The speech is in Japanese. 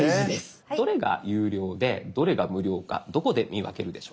どれが有料でどれが無料かどこで見分けるでしょうか？